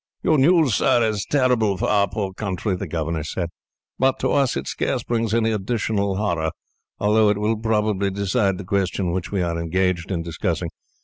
"Your news, sir, is terrible for our poor country," the governor said, "but to us it scarce brings any additional horror, although it will probably decide the question which we are engaged in discussing.